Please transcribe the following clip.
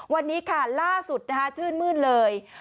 วันนี้ค่ะล่าสุดชื่นมืดเลย